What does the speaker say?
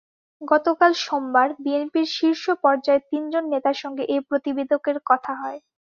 গতকাল সোমবার বিএনপির শীর্ষ পর্যায়ের তিনজন নেতার সঙ্গে এ প্রতিবেদকের কথা হয়।